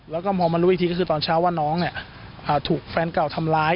แล้วก็มองมารู้อีกทีก็คือตอนเช้าว่าน้องถูกแฟนเก่าทำร้าย